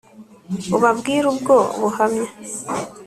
Ubabwire ubwo buhamya